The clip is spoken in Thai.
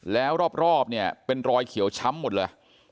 แล้วรอบเนี่ยเป็นรอยเขียวช้ำหมดเลย